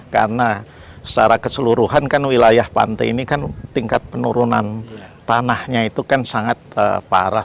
karena secara keseluruhan kan wilayah pantai ini kan tingkat penurunan tanahnya itu kan sangat parah